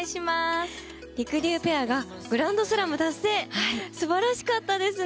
りくりゅうペアがグランドスラム達成素晴らしかったですね。